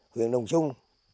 huyện đồng xuân